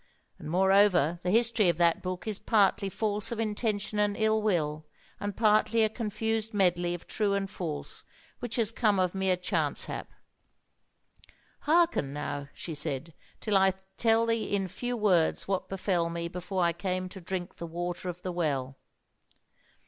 And moreover, the history of that book is partly false of intention and ill will, and partly a confused medley of true and false, which has come of mere chance hap. "Hearken now," she said, "till I tell thee in few words what befell me before I came to drink the Water of the Well.